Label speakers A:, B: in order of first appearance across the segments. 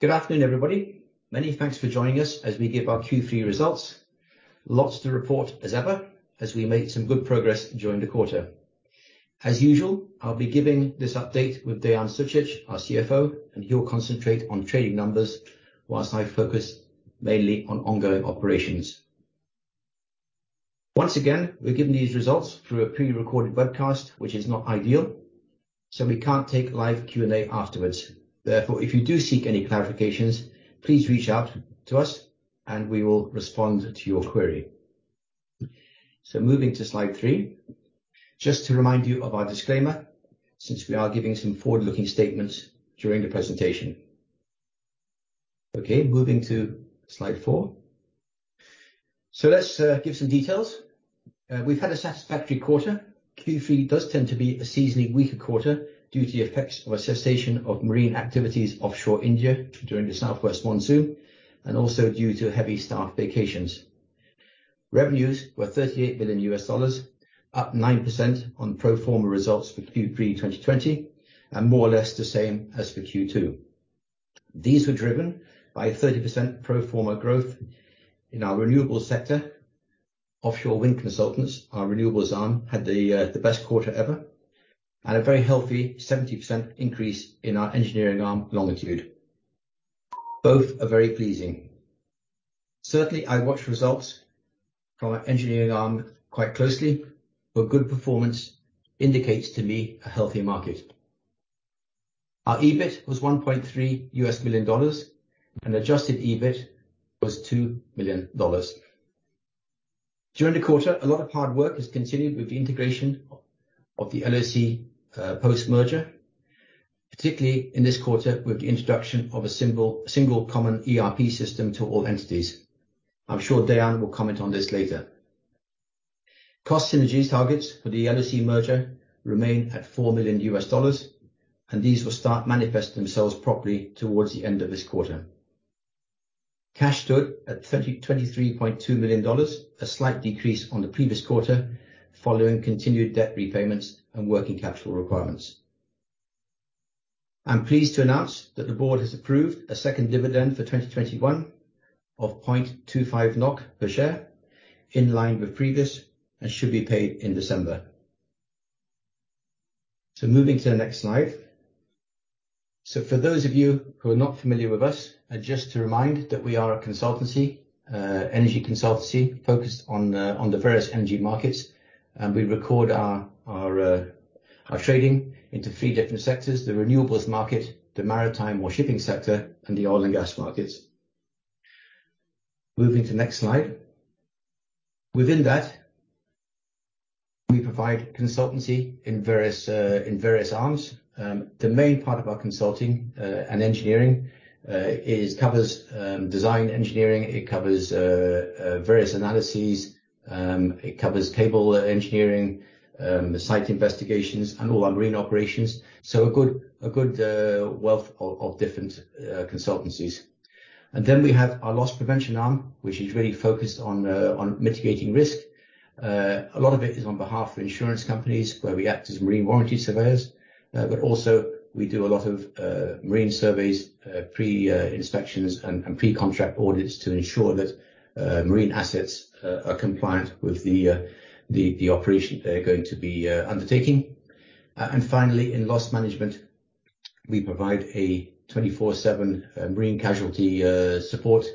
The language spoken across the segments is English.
A: Good afternoon, everybody. Many thanks for joining us as we give our Q3 results. Lots to report as ever, as we made some good progress during the quarter. As usual, I'll be giving this update with Dean Zuzic, our CFO, and he'll concentrate on trading numbers whilst I focus mainly on ongoing operations. Once again, we're giving these results through a pre-recorded webcast, which is not ideal, so we can't take live Q&A afterwards. Therefore, if you do seek any clarifications, please reach out to us and we will respond to your query. Moving to slide three. Just to remind you of our disclaimer, since we are giving some forward-looking statements during the presentation. Okay, moving to slide four. Let's give some details. We've had a satisfactory quarter. Q3 does tend to be a seasonally weaker quarter due to the effects of a cessation of marine activities offshore India during the southwest monsoon, and also due to heavy staff vacations. Revenues were $38 million, up 9% on pro forma results for Q3 2020, and more or less the same as for Q2. These were driven by a 30% pro forma growth in our renewables sector. Offshore Wind Consultants, our renewables arm, had the best quarter ever, and a very healthy 70% increase in our engineering arm, Longitude. Both are very pleasing. Certainly, I watch results from our engineering arm quite closely, but good performance indicates to me a healthy market. Our EBIT was $1.3 million, and adjusted EBIT was $2 million. During the quarter, a lot of hard work has continued with the integration of the LOC post-merger, particularly in this quarter, with the introduction of a single common ERP system to all entities. I'm sure Dean will comment on this later. Cost synergies targets for the LOC merger remain at $4 million, and these will start manifesting themselves properly towards the end of this quarter. Cash stood at $23.2 million, a slight decrease on the previous quarter, following continued debt repayments and working capital requirements. I'm pleased to announce that the board has approved a second dividend for 2021 of 0.25 NOK per share, in line with previous, and should be paid in December. Moving to the next slide. For those of you who are not familiar with us, just to remind that we are a consultancy, energy consultancy focused on the various energy markets, and we record our trading into three different sectors: the renewables market, the maritime or shipping sector, and the oil and gas markets. Moving to the next slide. Within that, we provide consultancy in various arms. The main part of our consulting and engineering covers design engineering, it covers various analyses, it covers cable engineering, site investigations, and all our marine operations. A good wealth of different consultancies. Then we have our loss prevention arm, which is really focused on mitigating risk. A lot of it is on behalf of insurance companies, where we act as marine warranty surveyors. We do a lot of marine surveys, pre-inspections and pre-contract audits to ensure that marine assets are compliant with the operation they're going to be undertaking. Finally, in loss management, we provide a 24/7 marine casualty support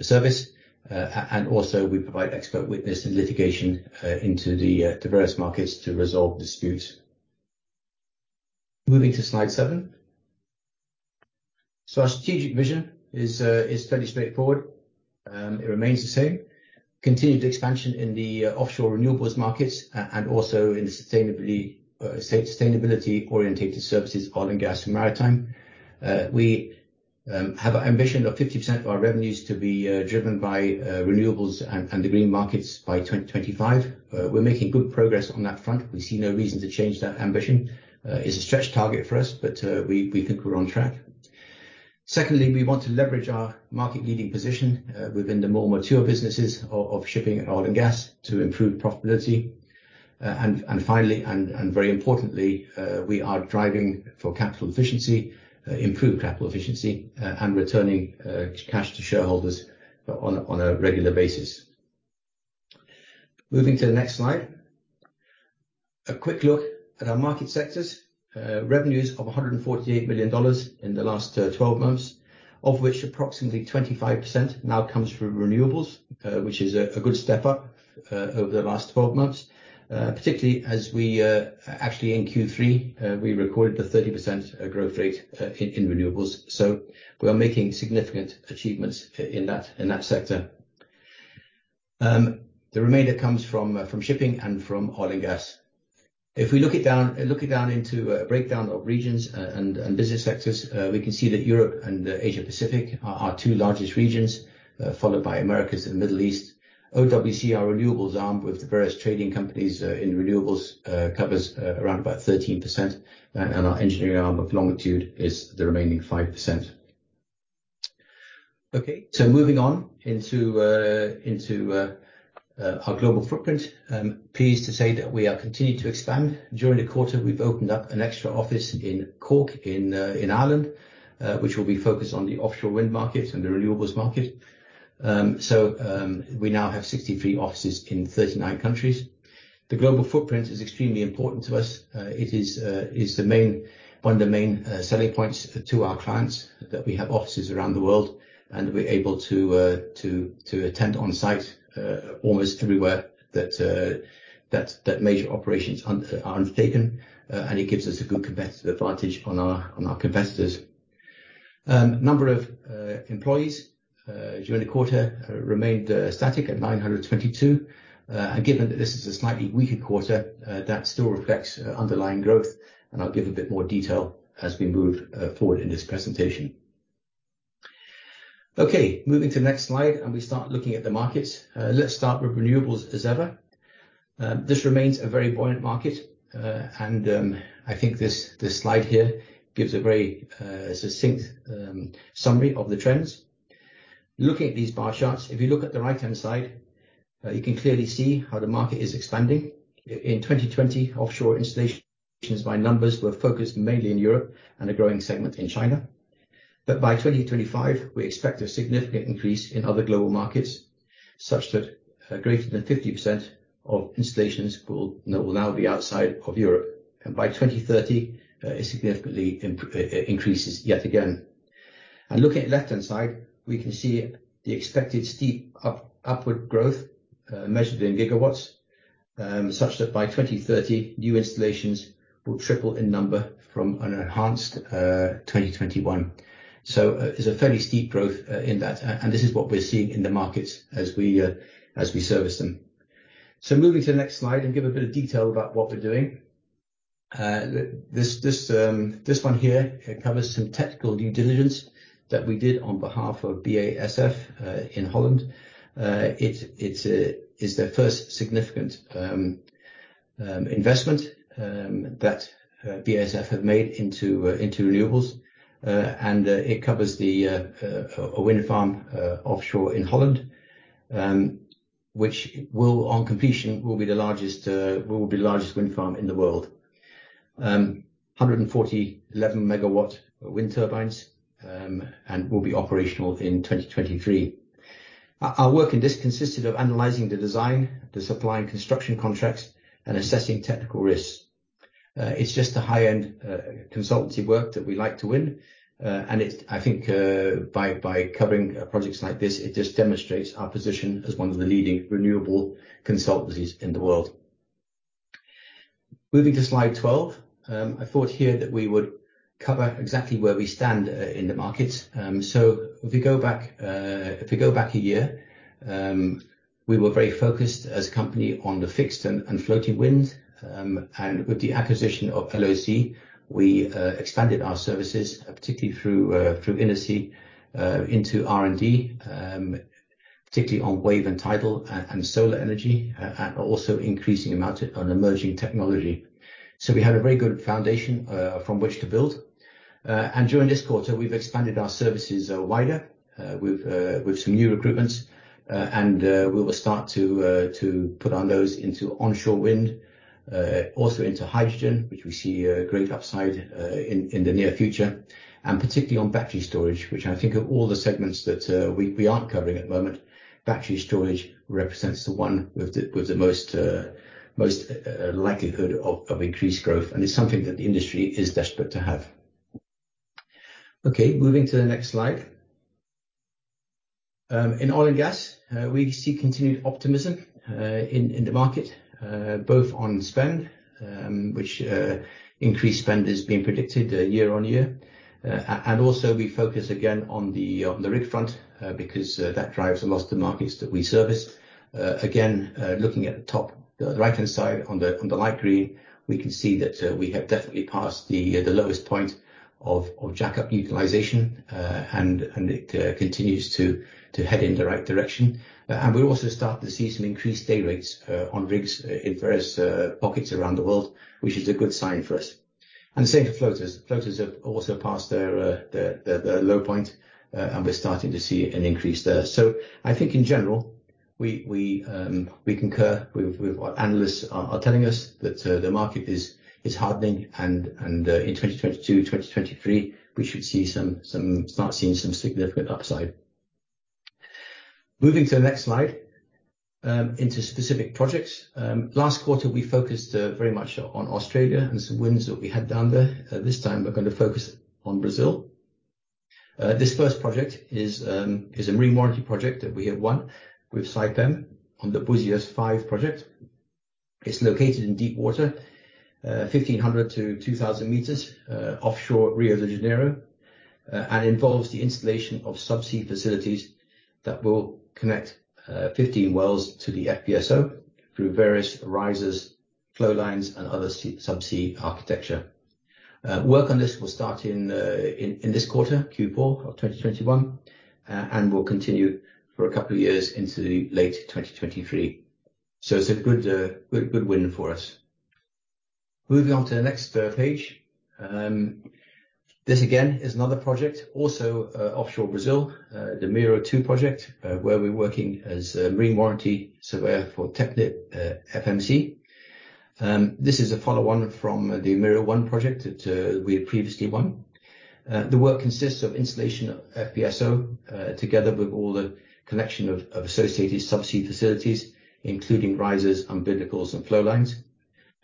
A: service. We also provide expert witness and litigation into the various markets to resolve disputes. Moving to slide 7. Our strategic vision is fairly straightforward. It remains the same. Continued expansion in the offshore renewables markets and also in sustainability-orientated services, oil and gas and maritime. We have an ambition of 50% of our revenues to be driven by renewables and the green markets by 2025. We're making good progress on that front. We see no reason to change that ambition. It's a stretch target for us, but we think we're on track. Secondly, we want to leverage our market-leading position within the more mature businesses of shipping and oil and gas to improve profitability. Finally, and very importantly, we are driving for capital efficiency, improved capital efficiency, and returning cash to shareholders on a regular basis. Moving to the next slide. A quick look at our market sectors. Revenues of $148 million in the last twelve months, of which approximately 25% now comes from renewables, which is a good step up over the last twelve months. Particularly as we actually in Q3 we recorded a 30% growth rate in renewables. We are making significant achievements in that sector. The remainder comes from shipping and from oil and gas. If we look into breakdown of regions and business sectors, we can see that Europe and Asia-Pacific are our two largest regions, followed by Americas and Middle East. OWC, our renewables arm with the various trading companies in renewables, covers around about 13%. Our engineering arm of Longitude is the remaining 5%. Okay, moving on into our global footprint. Pleased to say that we are continuing to expand. During the quarter, we've opened up an extra office in Cork in Ireland, which will be focused on the offshore wind market and the renewables market. We now have 63 offices in 39 countries. The global footprint is extremely important to us. It is one of the main selling points to our clients, that we have offices around the world and we're able to attend on-site almost everywhere that major operations are undertaken, and it gives us a good competitive advantage on our competitors. Number of employees during the quarter remained static at 922. Given that this is a slightly weaker quarter, that still reflects underlying growth, and I'll give a bit more detail as we move forward in this presentation. Okay, moving to the next slide, we start looking at the markets. Let's start with renewables as ever. This remains a very buoyant market. I think this slide here gives a very succinct summary of the trends. Looking at these bar charts, if you look at the right-hand side, you can clearly see how the market is expanding. In 2020, offshore installations by numbers were focused mainly in Europe and a growing segment in China. By 2025, we expect a significant increase in other global markets, such that greater than 50% of installations will now be outside of Europe. By 2030, it significantly increases yet again. Looking at the left-hand side, we can see the expected steep upward growth measured in gigawatts, such that by 2030, new installations will triple in number from an enhanced 2021. It's a fairly steep growth in that. This is what we're seeing in the markets as we service them. Moving to the next slide and give a bit of detail about what we're doing. This one here covers some technical due diligence that we did on behalf of BASF in Holland. It's their first significant investment that BASF have made into renewables. It covers a wind farm offshore in Holland, which will, on completion, be the largest wind farm in the world. 140 11-megawatt wind turbines, and will be operational in 2023. Our work in this consisted of analyzing the design, the supply and construction contracts, and assessing technical risks. It's just the high-end consultancy work that we like to win. I think by covering projects like this, it just demonstrates our position as one of the leading renewable consultancies in the world. Moving to slide 12. I thought here that we would cover exactly where we stand in the market. If we go back a year, we were very focused as a company on the fixed and floating wind. With the acquisition of LOC, we expanded our services, particularly through Innosea, into R&D, particularly on wave and tidal and solar energy, and also increasing amount on emerging technology. We had a very good foundation from which to build. During this quarter, we've expanded our services wider with some new recruitments. We will start to put on those into onshore wind, also into hydrogen, which we see a great upside in the near future. Particularly on battery storage, which I think of all the segments that we aren't covering at the moment, battery storage represents the one with the most likelihood of increased growth, and it's something that the industry is desperate to have. Okay, moving to the next slide. In oil and gas, we see continued optimism in the market, both on spend, which increased spend is being predicted year on year. Also we focus again on the rig front, because that drives a lot of the markets that we service. Again, looking at the top, right-hand side on the light green, we can see that we have definitely passed the lowest point of jack-up utilization, and it continues to head in the right direction. We also start to see some increased day rates on rigs in various pockets around the world, which is a good sign for us. The same for floaters. Floaters have also passed their low point, and we're starting to see an increase there. I think in general, we concur with what analysts are telling us that the market is hardening and in 2022, 2023, we should start seeing some significant upside. Moving to the next slide, into specific projects. Last quarter, we focused very much on Australia and some wins that we had down there. This time, we're gonna focus on Brazil. This first project is a marine warranty project that we have won with Saipem on the Búzios 5 project. It's located in deepwater, 1,500-2,000 meters, offshore Rio de Janeiro. It involves the installation of subsea facilities that will connect 15 wells to the FPSO through various risers, flowlines and other subsea architecture. Work on this will start in this quarter, Q4 of 2021, and will continue for a couple of years into late 2023. It's a good win for us. Moving on to the next page. This again is another project also, offshore Brazil, the Mero Two project, where we're working as a marine warranty surveyor for TechnipFMC. This is a follow on from the Mero One project that we had previously won. The work consists of installation of FPSO, together with all the connection of associated subsea facilities, including risers, umbilicals, and flowlines.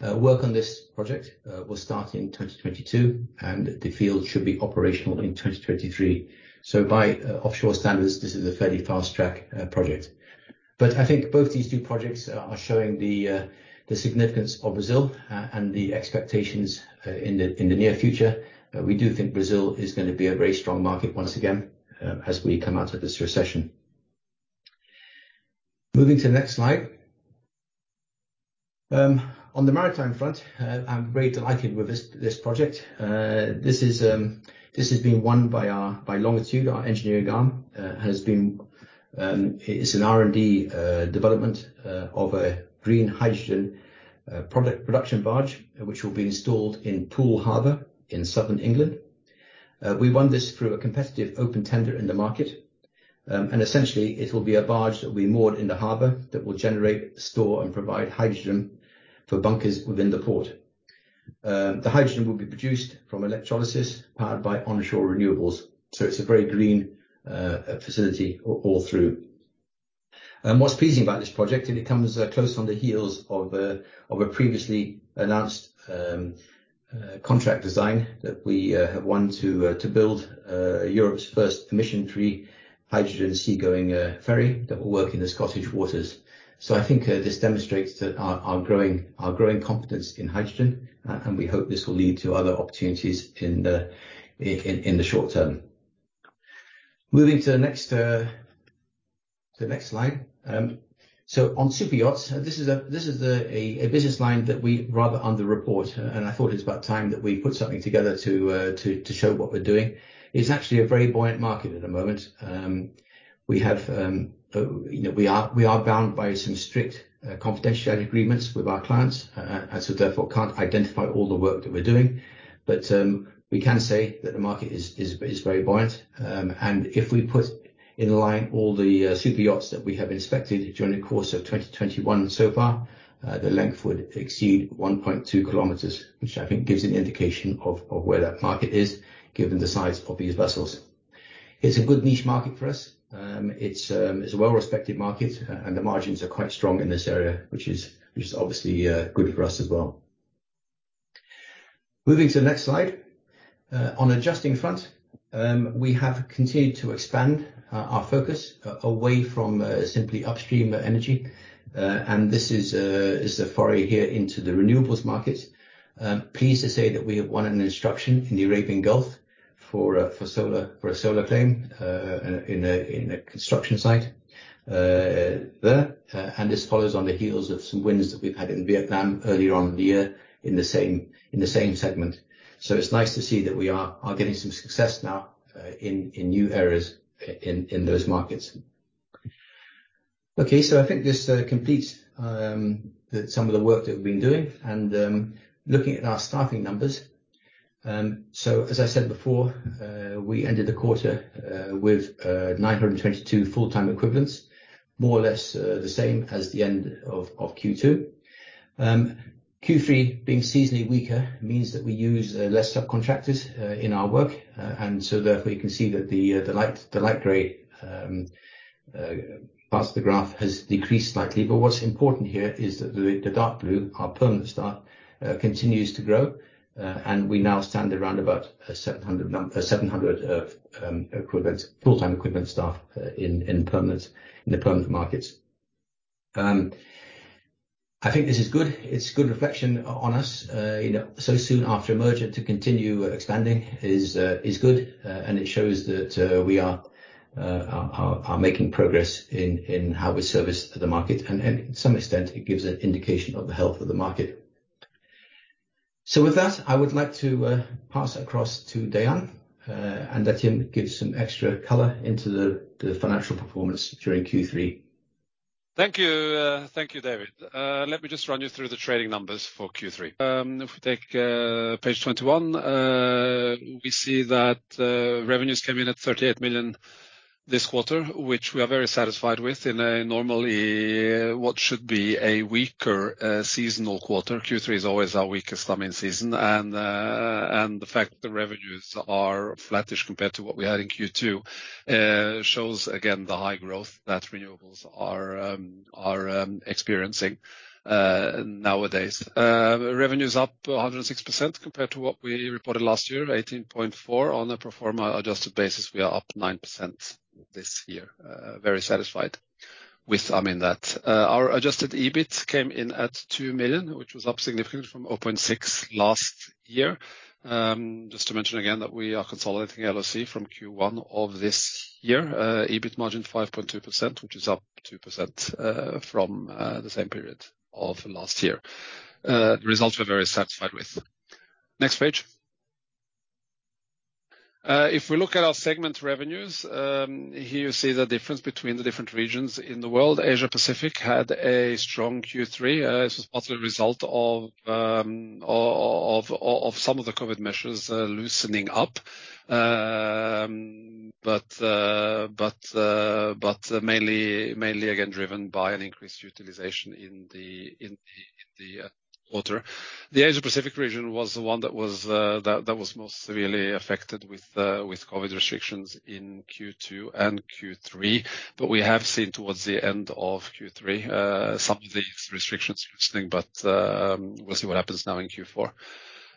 A: Work on this project will start in 2022, and the field should be operational in 2023. By offshore standards, this is a fairly fast-track project. I think both these two projects are showing the significance of Brazil and the expectations in the near future. We do think Brazil is gonna be a very strong market once again, as we come out of this recession. Moving to the next slide. On the maritime front, I'm very delighted with this project. This has been won by Longitude, our engineering arm. It's an R&D development of a green hydrogen production barge, which will be installed in Poole Harbor in southern England. We won this through a competitive open tender in the market. Essentially, it will be a barge that will be moored in the harbor that will generate, store, and provide hydrogen for bunkers within the port. The hydrogen will be produced from electrolysis powered by onshore renewables, so it's a very green facility all through. What's pleasing about this project, it comes close on the heels of a previously announced contract design that we have won to build Europe's first emission-free hydrogen seagoing ferry that will work in the Scottish waters. I think this demonstrates that our growing competence in hydrogen, and we hope this will lead to other opportunities in the short term. Moving to the next slide. On superyachts, this is a business line that we rather underreport, and I thought it's about time that we put something together to show what we're doing. It's actually a very buoyant market at the moment. We have, you know, we are bound by some strict confidentiality agreements with our clients, and so therefore can't identify all the work that we're doing. We can say that the market is very buoyant. If we put in line all the superyachts that we have inspected during the course of 2021 so far, the length would exceed 1.2 kilometers, which I think gives an indication of where that market is given the size of these vessels. It's a good niche market for us. It's a well-respected market, and the margins are quite strong in this area, which is obviously good for us as well. Moving to the next slide. On adjacent front, we have continued to expand our focus away from simply upstream energy. This is the foray here into the renewables market. Pleased to say that we have won an instruction in the Arabian Gulf for solar, for a solar farm in a construction site there. This follows on the heels of some wins that we've had in Vietnam earlier on in the year in the same segment. It's nice to see that we are getting some success now in new areas in those markets. Okay. I think this completes some of the work that we've been doing. Looking at our staffing numbers, so as I said before, we ended the quarter with 922 full-time equivalents, more or less, the same as the end of Q2. Q3 being seasonally weaker means that we use less subcontractors in our work. Therefore, you can see that the light gray part of the graph has decreased slightly. What's important here is that the dark blue, our permanent staff, continues to grow. We now stand around about 700 full-time equivalent staff in the permanent markets. I think this is good. It's good reflection on us, you know, so soon after merger to continue expanding is good. It shows that we are making progress in how we service the market and to some extent it gives an indication of the health of the market. With that, I would like to pass across to Dean Zuzic and let him give some extra color into the financial performance during Q3.
B: Thank you. Thank you, David. Let me just run you through the trading numbers for Q3. If we take page 21, we see that revenues came in at $38 million this quarter, which we are very satisfied with in a normally what should be a weaker seasonal quarter. Q3 is always our weakest time in season. The fact that the revenues are flattish compared to what we had in Q2 shows again the high growth that renewables are experiencing nowadays. Revenues up 106% compared to what we reported last year, 18.4. On a pro forma adjusted basis, we are up 9% this year. Very satisfied with, I mean, that. Our adjusted EBIT came in at 2 million, which was up significantly from 0.6 million last year. Just to mention again that we are consolidating LOC from Q1 of this year. EBIT margin 5.2%, which is up 2% from the same period of last year. The results we're very satisfied with. Next page. If we look at our segment revenues, here you see the difference between the different regions in the world. Asia-Pacific had a strong Q3, as part of the result of some of the COVID measures loosening up. But mainly again driven by an increased utilization in the quarter. The Asia-Pacific region was the one that was most severely affected with COVID restrictions in Q2 and Q3. We have seen towards the end of Q3 some of these restrictions loosening, but we'll see what happens now in Q4,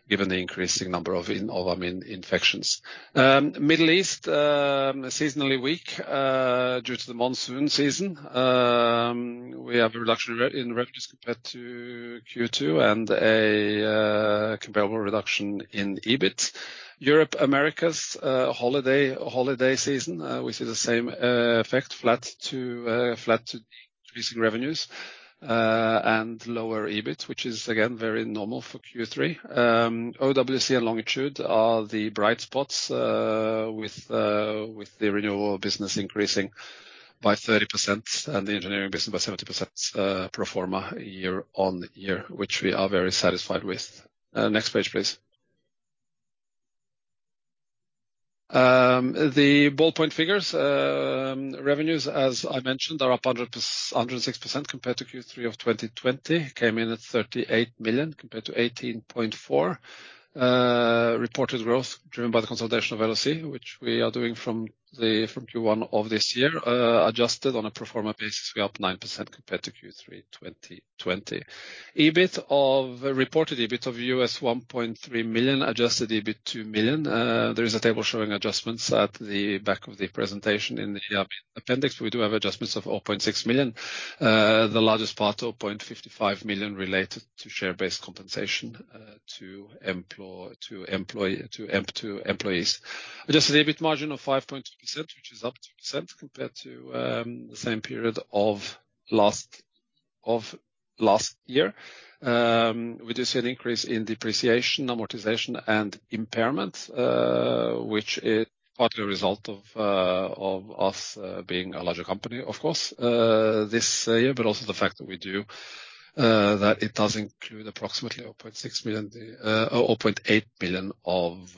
B: given the increasing number of, I mean, infections. Middle East seasonally weak due to the monsoon season. We have a reduction in revenues compared to Q2 and a comparable reduction in EBIT. Europe, Americas, holiday season, we see the same effect, flat to increasing revenues and lower EBIT, which is again very normal for Q3. OWC and Longitude are the bright spots, with the renewable business increasing by 30% and the engineering business by 70%, pro forma year-on-year, which we are very satisfied with. Next page, please. The top-line figures, revenues, as I mentioned, are up 106% compared to Q3 2020. Came in at $38 million compared to $18.4 million. Reported growth driven by the consolidation of LOC, which we are doing from Q1 of this year, adjusted on a pro forma basis, we're up 9% compared to Q3 2020. Reported EBIT of $1.3 million, adjusted EBIT $2 million. There is a table showing adjustments at the back of the presentation. In the appendix, we do have adjustments of $4.6 million. The largest part, $4.55 million, related to share-based compensation to employees. Adjusted EBIT margin of 5.2%, which is up 2% compared to the same period of last year. We do see an increase in depreciation, amortization, and impairment, which is part of the result of us being a larger company, of course, this year, but also the fact that it does include approximately $4.8 million of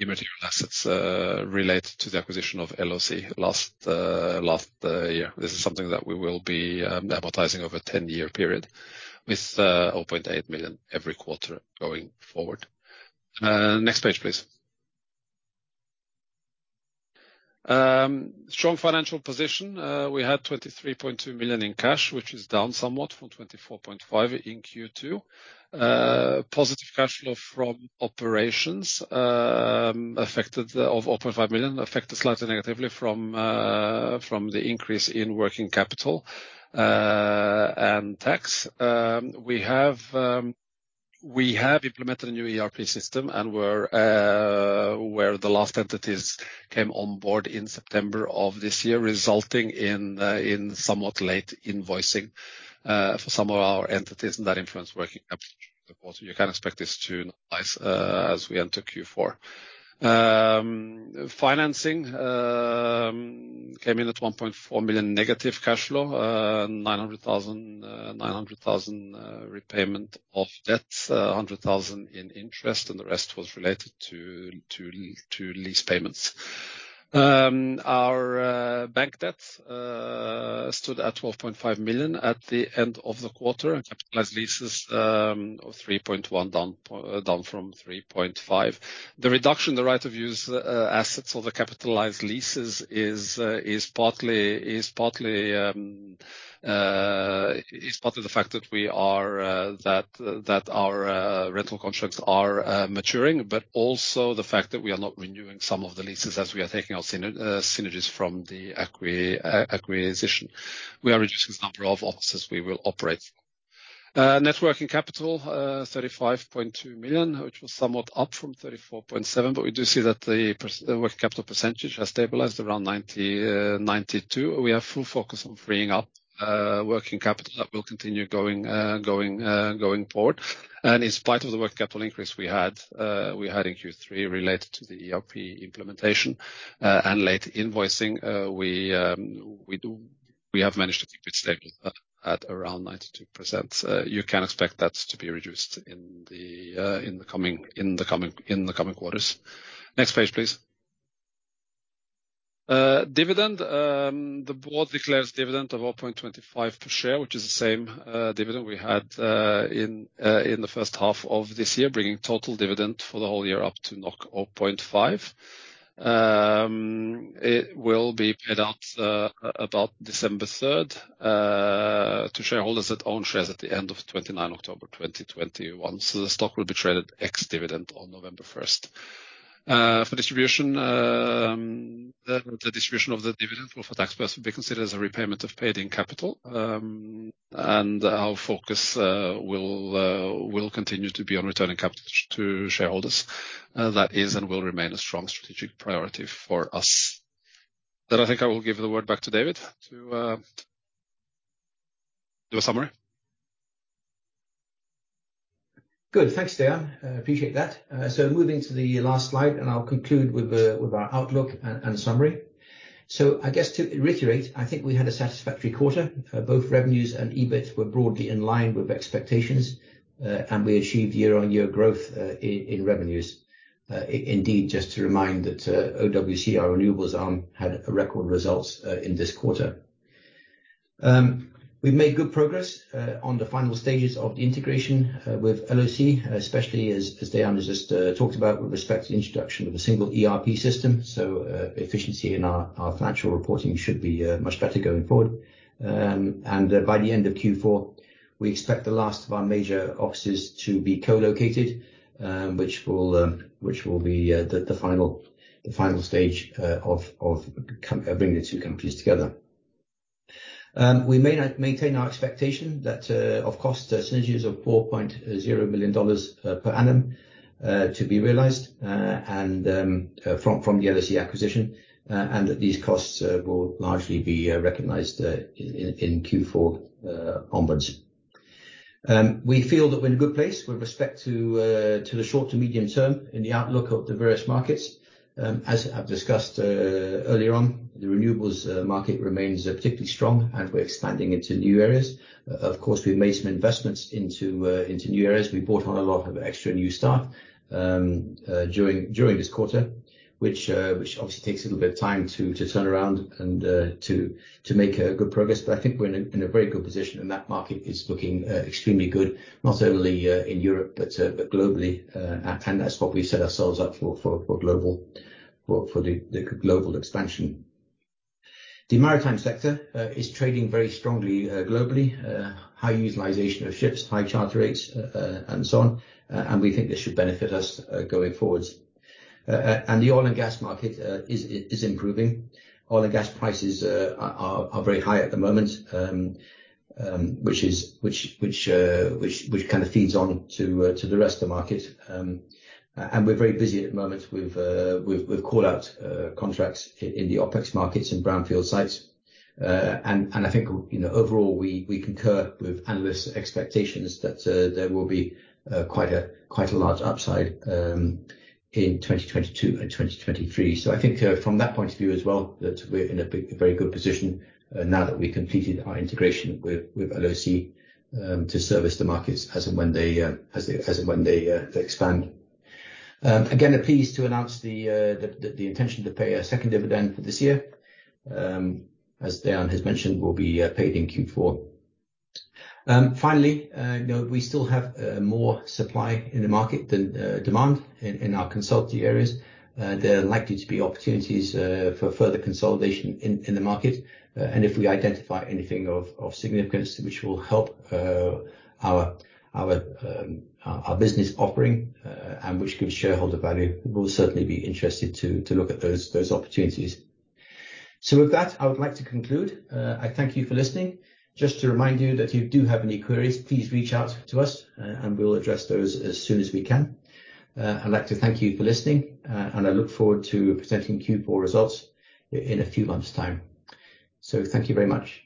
B: intangible assets related to the acquisition of LOC last year. This is something that we will be amortizing over a 10-year period with $4.8 million every quarter going forward. Next page, please. Strong financial position. We had 23.2 million in cash, which is down somewhat from 24.5 million in Q2. Positive cash flow from operations of 4.5 million, affected slightly negatively from the increase in working capital and tax. We have implemented a new ERP system and where the last entities came on board in September of this year, resulting in somewhat late invoicing for some of our entities, and that influenced working capital. You can expect this to normalize as we enter Q4. Financing came in at 1.4 million negative cash flow, 900,000 repayment of debts, 100,000 in interest, and the rest was related to lease payments. Our bank debt stood at 12.5 million at the end of the quarter, and capitalized leases of 3.1 down from 3.5. The reduction in the right-of-use assets or the capitalized leases is partly the fact that our rental contracts are maturing, but also the fact that we are not renewing some of the leases as we are taking our synergies from the acquisition. We are reducing the number of offices we will operate from. Net working capital 35.2 million, which was somewhat up from 34.7 million, but we do see that the working capital percentage has stabilized around 90%-92%. We are fully focused on freeing up working capital. That will continue going forward. In spite of the working capital increase we had in Q3 related to the ERP implementation and late invoicing, we have managed to keep it stable at around 92%. You can expect that to be reduced in the coming quarters. Next page, please. Dividend. The board declares dividend of 4.25 per share, which is the same dividend we had in the first half of this year, bringing total dividend for the whole year up to 4.5. It will be paid out about December 3 to shareholders that own shares at the end of 29 October 2020 once the stock will be traded ex-dividend on November 1. For distribution, the distribution of the dividend for tax purposes will be considered as a repayment of paid in capital. Our focus will continue to be on returning capital to shareholders. That is and will remain a strong strategic priority for us. I think I will give the word back to David to do a summary.
A: Good. Thanks, Dean. I appreciate that. Moving to the last slide, and I'll conclude with our outlook and summary. I guess to reiterate, I think we had a satisfactory quarter. Both revenues and EBIT were broadly in line with expectations, and we achieved year-on-year growth in revenues. Indeed, just to remind that, OWC, our renewables arm, had a record results in this quarter. We've made good progress on the final stages of the integration with LOC, especially as Dean has just talked about with respect to the introduction of a single ERP system. Efficiency in our financial reporting should be much better going forward. By the end of Q4, we expect the last of our major offices to be co-located, which will be the final stage of bringing the two companies together. We maintain our expectation of cost synergies of $4.0 million per annum to be realized from the LOC acquisition, and that these costs will largely be recognized in Q4 onward. We feel that we're in a good place with respect to the short- to medium-term in the outlook of the various markets. As I've discussed earlier on, the renewables market remains particularly strong, and we're expanding into new areas. Of course, we've made some investments into new areas. We brought on a lot of extra new staff during this quarter, which obviously takes a little bit of time to turn around and to make good progress. I think we're in a very good position, and that market is looking extremely good, not only in Europe, but globally. That's what we set ourselves up for the global expansion. The maritime sector is trading very strongly globally. High utilization of ships, high charter rates, and so on, and we think this should benefit us going forward. The oil and gas market is improving. Oil and gas prices are very high at the moment, which kind of feeds on to the rest of the market. We're very busy at the moment with call out contracts in the OpEx markets and brownfield sites. I think, you know, overall we concur with analysts' expectations that there will be quite a large upside in 2022 and 2023. I think from that point of view as well, that we're in a very good position now that we completed our integration with LOC to service the markets as and when they expand. Again, pleased to announce the intention to pay a second dividend for this year. As Dean has mentioned, it will be paid in Q4. Finally, you know, we still have more supply in the market than demand in our consulting areas. There are likely to be opportunities for further consolidation in the market. If we identify anything of significance which will help our business offering and which gives shareholder value, we'll certainly be interested to look at those opportunities. With that, I would like to conclude. I thank you for listening. Just to remind you that if you do have any queries, please reach out to us and we'll address those as soon as we can. I'd like to thank you for listening, and I look forward to presenting Q4 results in a few months' time. Thank you very much.